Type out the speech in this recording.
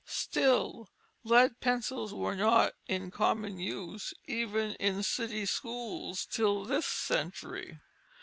Still lead pencils were not in common use even in city schools till this century.